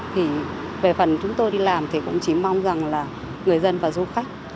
thì về phần chúng tôi đi làm thì cũng chỉ mong rằng là người dân và du khách